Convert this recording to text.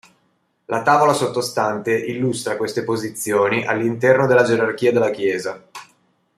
La tavola sottostante illustra queste posizioni all'interno della gerarchia della Chiesa.